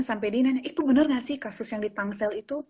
sampai dia nanya itu benar gak sih kasus yang di tangsel itu